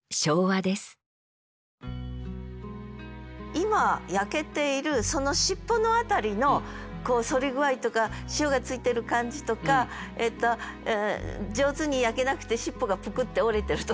今焼けているしっぽのあたりの反り具合とか塩がついてる感じとか上手に焼けなくてしっぽがぷくって折れてるとか。